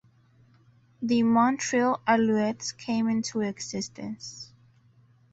The Montreal Alouettes came into existence.